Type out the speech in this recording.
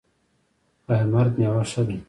کهمرد میوه ښه ده؟